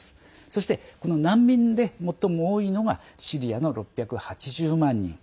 そして、難民で最も多いのがシリアの６８０万人。